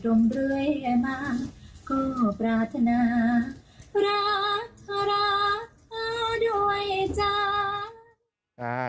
ลองเพลงนี้ฟังแล้วกันกำลังใจให้กันเพื่อที่อยากให้รู้ว่าเราจะไม่หายไปไหน